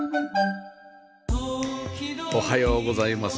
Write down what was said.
おはようございます。